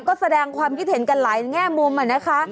ก็แสดงความคิดเห็นกันหลายแง่มุมนะคะ